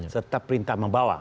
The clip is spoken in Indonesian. serta perintah membawa